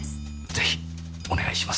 ぜひお願いします！